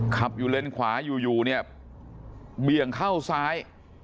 ขับอยู่เลนขวาอยู่เนี่ยเบี่ยงเข้าซ้าย